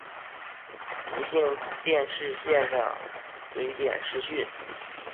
无线电视线上随点视讯